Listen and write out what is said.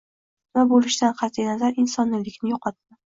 Nima bo‘lishidan qat’i nazar, insoniylikni yo‘qotma.